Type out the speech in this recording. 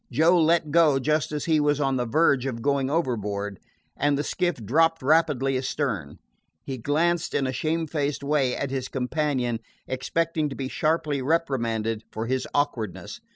Joe let go just as he was on the verge of going overboard, and the skiff dropped rapidly astern. He glanced in a shamefaced way at his companion, expecting to be sharply reprimanded for his awkwardness.